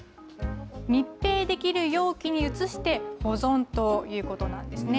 密閉できる容器に移して保存ということなんですね。